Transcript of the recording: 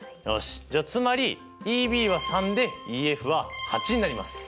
じゃあつまりＥＢは３でＥＦは８になります。